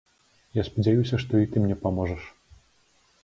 Я спадзяюся, што і ты мне паможаш.